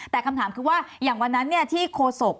แต่คำถามคือว่าอย่างวันนั้นที่โคศก